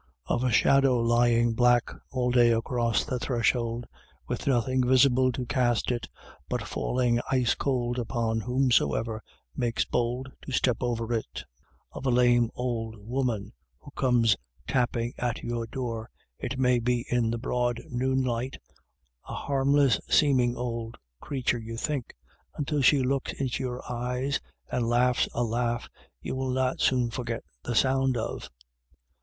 Of a shadow lying black all day across the threshold, with nothing visible to cast it, but falling ice cold upon whomsoever makes bold to step over it Of a lame old woman, who comes tapping at your door, it may be in the broad noonlight — a harmless seeming old creature you think, until she looks into your eyes and laughs a laugh you will not soon forget the sound of.